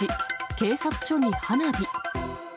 警察署に花火。